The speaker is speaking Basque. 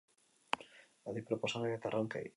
Adi proposamen eta erronkei.